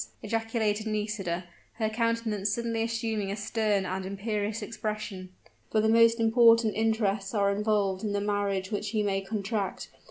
ejaculated Nisida, her countenance suddenly assuming a stern and imperious expression: "for the most important interests are involved in the marriage which he may contract.